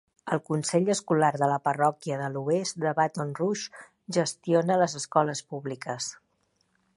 El consell escolar de la parròquia de l'oest de Baton Rouge gestiona les escoles públiques.